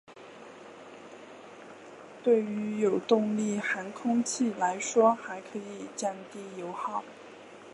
对于有动力航空器来说还可降低油耗。